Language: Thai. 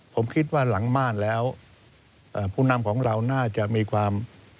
ผมคิดว่าหลังม่านแล้วผู้นำของเราน่าจะมีความ